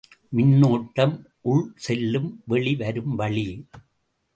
மின்னோட்டம் உள்செல்லும் வெளிவரும் வழி.